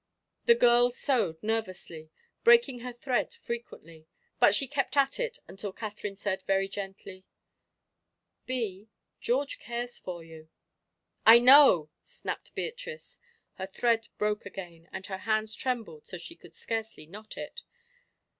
The girl sewed nervously, breaking her thread frequently, but she kept at it until Katherine said, very gently, "Bee, George cares for you." "I know!" snapped Beatrice. Her thread broke again, and her hands trembled so she could scarcely knot it.